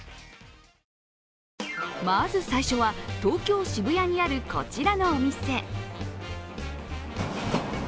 まず最初は、東京・渋谷にあるこちらのお店。